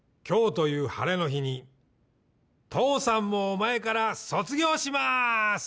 「今日という晴れの日に父さんもお前から卒業します！」